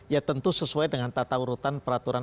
ya tentu sesuai dengan tata urutan peraturan